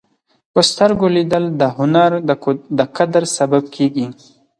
په سترګو لیدل د هنر د قدر سبب کېږي